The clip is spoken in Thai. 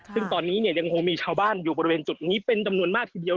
ซึ่งตอนนี้เนี่ยยังคงมีชาวบ้านอยู่บริเวณจุดนี้เป็นจำนวนมากทีเดียว